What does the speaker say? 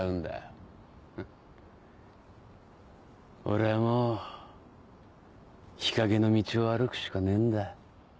俺はもう日陰の道を歩くしかねえんだ。